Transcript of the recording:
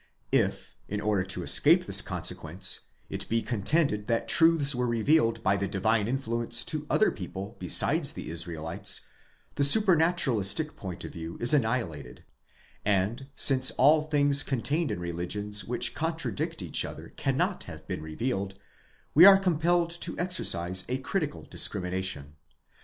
If, in order to escape this consequence, it be contended that truths were revealed by the divine influence to other people besides the Israelites, the supranaturalistic point of view is annihilated ; and, since all things contained in religions which contradict each other cannot have been revealed, we are compelled to exercise a critical discrimination.